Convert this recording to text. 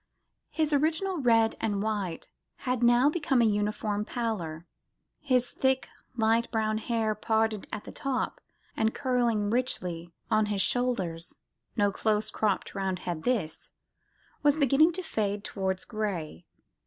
His original red and white had now become a uniform pallor; his thick, light brown hair, parted at the top, and curling richly on his shoulders (no close cropt Roundhead this!) was beginning to fade towards grey.